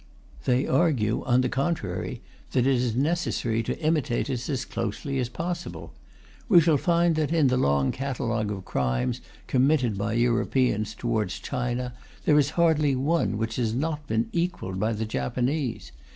They argue, on the contrary, that it is necessary to imitate us as closely as possible. We shall find that, in the long catalogue of crimes committed by Europeans towards China, there is hardly one which has not been equalled by the Japanese.